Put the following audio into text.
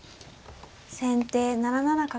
先手７七角。